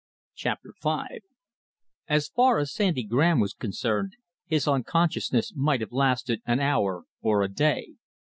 CHAPTER V So far as Sandy Graham was concerned, his unconsciousness might have lasted an hour or a day.